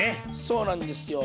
そうなんですよ。